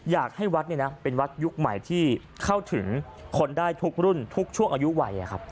อยากให้วัดเป็นวัดยุคใหม่ที่เข้าถึงคนได้ทุกรุ่นทุกช่วงอายุวัย